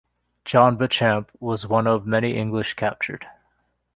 John Beauchamp was one of many English captured.